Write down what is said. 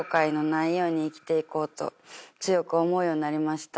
と強く思うようになりました。